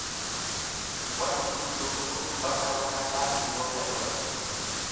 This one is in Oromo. Wanti hundumtuu bakka bakkasaatti yoo ta'e tola.